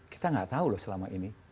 kita nggak tahu loh selama ini